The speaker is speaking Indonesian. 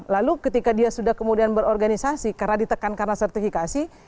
lalu ketika dia sudah kemudian berorganisasi karena ditekan karena sertifikasi